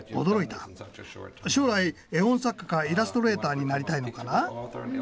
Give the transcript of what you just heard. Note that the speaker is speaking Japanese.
将来絵本作家かイラストレーターになりたいのかな？